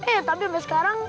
eh tapi sampai sekarang